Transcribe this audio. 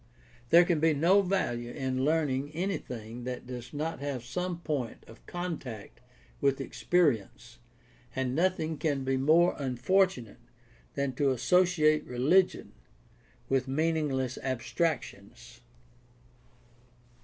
There can be no value in learning anything that does not have some point of contact with experience, and nothing can be more unfortunate than to associate religion with meaningless abstractions.